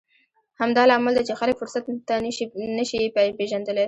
همدا لامل دی چې خلک فرصت نه شي پېژندلی.